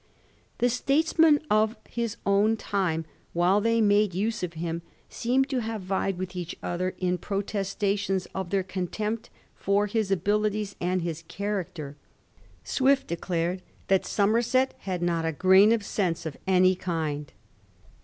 The statesmen of his own time, while they made use of him, seem to have vied with each other in pro testations of their contempt for his abilities and his character. Swift declared that Somerset had not * a grain of sense of any kind.'